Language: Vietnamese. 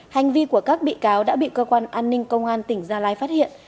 hành vi của các bị cáo đã bị cơ quan an ninh công an tỉnh gia lai phát hiện